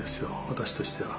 私としては。